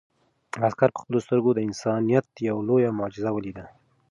عسکر په خپلو سترګو د انسانیت یو لویه معجزه ولیده.